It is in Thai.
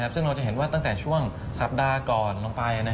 ซึ่งเราจะเห็นว่าตั้งแต่ช่วงสัปดาห์ก่อนลงไป